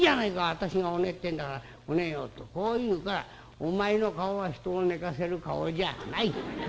私がお寝ってえんだからお寝よ』とこう言うから『お前の顔は人を寝かせる顔じゃない。